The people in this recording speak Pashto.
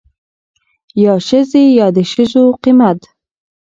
يا ښځې يا دښځو قيمت.